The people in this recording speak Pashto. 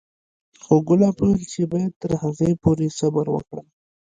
خو ګلاب وويل چې بايد تر هغې پورې صبر وکړم.